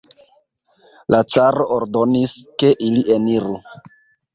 La caro ordonis, ke ili eniru.